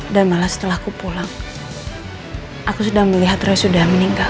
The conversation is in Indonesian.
dan malah setelah aku pulang aku sudah melihat roy sudah meninggal